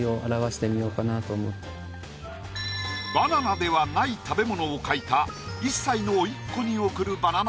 バナナではない食べ物を描いた１歳の甥っ子に送るバナナ